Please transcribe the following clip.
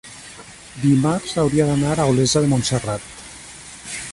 dimarts hauria d'anar a Olesa de Montserrat.